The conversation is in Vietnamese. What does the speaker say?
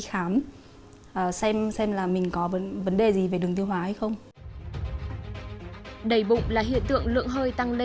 xem xem là mình có vấn đề gì về đường tiêu hóa hay không đầy bụng là hiện tượng lượng hơi tăng lên